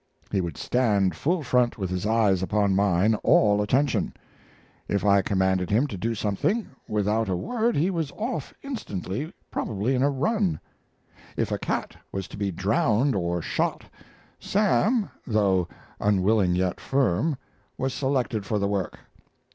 He would stand full front with his eyes upon mine all attention. If I commanded him to do something, without a word he was off instantly, probably in a run. If a cat was to be drowned or shot Sam (though unwilling yet firm) was selected for the work.